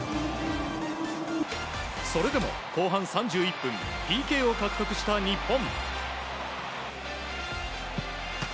それでも後半３１分ＰＫを獲得した日本。